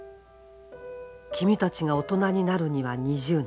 「君たちが大人になるには２０年。